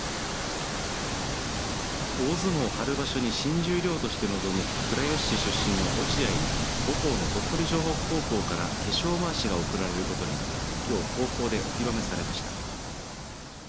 大相撲春場所に新十両として臨む倉吉市出身の落合に母校の鳥取城北高校から化粧まわしが贈られることになりきょう高校でお披露目されました。